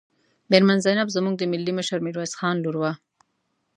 میرمن زینب زموږ د ملي مشر میرویس خان لور وه.